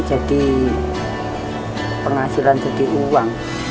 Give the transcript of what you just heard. jadi penghasilan jadi uang